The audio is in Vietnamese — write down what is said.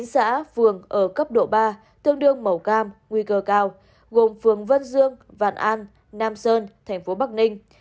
chín xá phường ở cấp độ ba tương đương màu cam nguy cơ cao gồm phường vân dương vạn an nam sơn tp bắc ninh